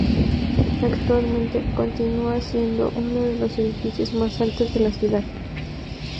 Actualmente continúa siendo uno de los edificios más altos de la ciudad.